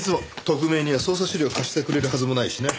特命には捜査資料貸してくれるはずもないしね。